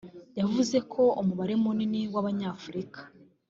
yavuze ko umubare munini w’Abanyafurika